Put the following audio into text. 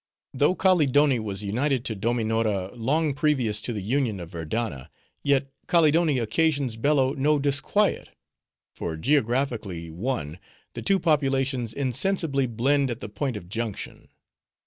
Though Kaleedoni was united to Dominora long previous to the union of Verdanna, yet Kaleedoni occasions Bello no disquiet; for, geographically one, the two populations insensibly blend at the point of junction.